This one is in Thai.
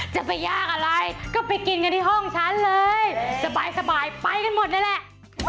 จะไปยากอะไรก็ไปกินกันที่ห้องฉันเลยสบายไปกันหมดนั่นแหละ